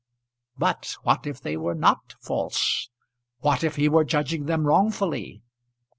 But what if they were not false? What if he were judging them wrongfully?